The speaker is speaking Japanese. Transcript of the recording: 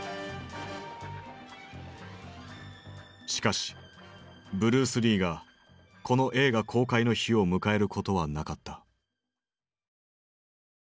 しかしブルース・リーがこの映画公開の日を迎えることはなかった。